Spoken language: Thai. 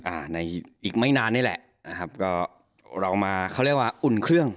อ่าในอีกไม่นานนี่แหละนะครับก็เรามาเขาเรียกว่าอุ่นเครื่อง